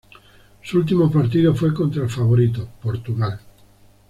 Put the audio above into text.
Su último partido fue contra el favorito, Portugal.